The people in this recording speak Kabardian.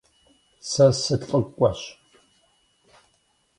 Сэ сылӀыкӀуэщ.